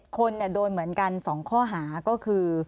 คนโดนเหมือนกัน๒ข้อหาก็คือ